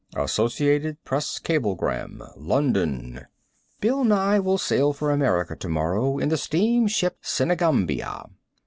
[Associated Press Cablegram] LONDON, ,. Bill Nye will sail for America to morrow in the steamship Senegambia.